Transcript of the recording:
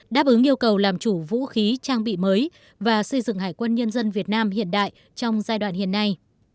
đáp ứng yêu cầu làm chủ vũ khí trang bị mới và xây dựng hải quân nhân dân việt nam hiện đại trong giai đoạn hiện nay